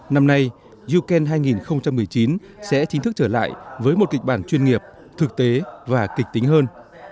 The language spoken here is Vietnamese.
năm nay you can hai nghìn một mươi chín sẽ chính thức trở lại với một kịch bản chuyên nghiệp thực tế và kịch tính hơn